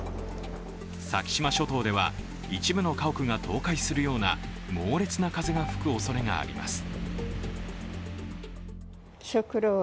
先島諸島では、一部の家屋が倒壊するような猛烈な風が吹くおそれがあります。